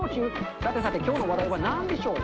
さてさて、きょうの話題はなんでしょう？